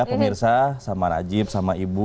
pemirsa sama najib sama ibu